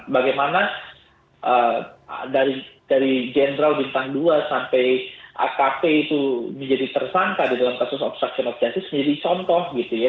bagaimana dari jenderal bintang dua sampai akp itu menjadi tersangka di dalam kasus obstruction of justice menjadi contoh gitu ya